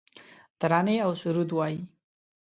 ترانې اوسرود وایې